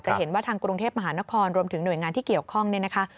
เห็นว่าทางกรุงเทพมหานครรวมถึงหน่วยงานที่เกี่ยวข้องเนี่ยนะคะ